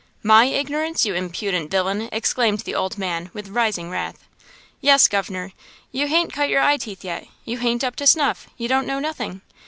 "My ignorance, you impudent villain!" exclaimed the old man, with rising wrath. "Yes, governor; you hain't cut your eye teeth yet! you hain't up to snuff! you don't know nothing!